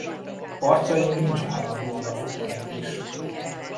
Partjain nincs állandóan lakott település.